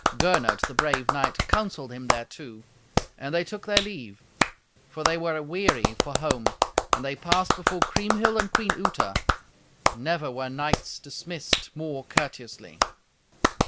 Gernot, the brave knight, counselled him thereto. And they took their leave, for they were aweary for home. And they passed before Kriemhild and Queen Uta; never were knights dismissed more courteously.